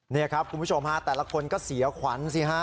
นี่ครับคุณผู้ชมฮะแต่ละคนก็เสียขวัญสิฮะ